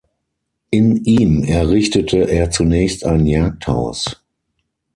In ihm errichtete er zunächst ein Jagdhaus.